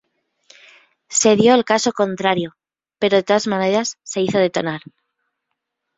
Se dio el caso contrario, pero de todas maneras se hizo detonar.